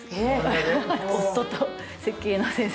夫と設計の先生。